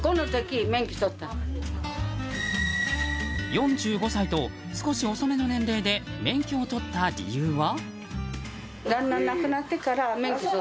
４５歳と、少し遅めの年齢で免許を取った理由は？